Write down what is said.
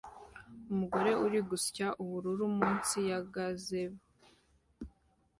Umugore uri gusya ubururu munsi ya gazebo